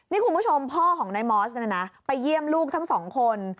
นี่คุณผู้ชมพ่อของนายมอสเนี่ยนะไปเยี่ยมลูกทั้งสองคน